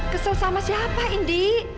kesel sama siapa indi